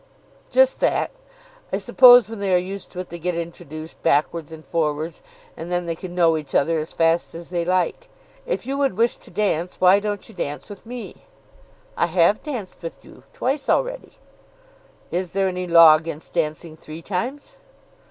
"Just that; I suppose when they are used to it they get introduced backwards and forwards, and then they can know each other as fast as they like. If you would wish to dance why won't you dance with me?" "I have danced with you, twice already." "Is there any law against dancing three times?"